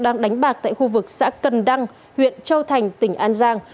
đang đánh bạc tại khu vực xã cần đăng huyện châu thành tỉnh an giang